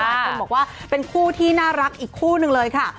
คนบอกว่าเป็นคู่ที่น่ารักอีกคู่หนึ่งเลยค่ะ